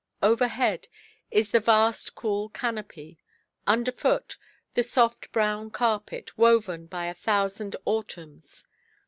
Overhead, is the vast cool canopy; underfoot, the soft brown carpet, woven by a thousand autumns.